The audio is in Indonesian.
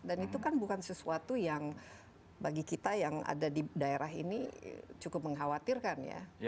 dan itu kan bukan sesuatu yang bagi kita yang ada di daerah ini cukup mengkhawatirkan ya